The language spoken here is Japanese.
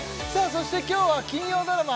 そして今日は金曜ドラマ